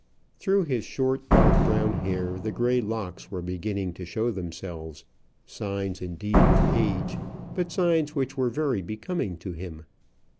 Through his short dark brown hair the grey locks were beginning to show themselves signs indeed of age, but signs which were very becoming to him.